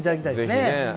ぜひね。